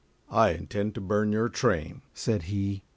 "I intend to burn your train," said he.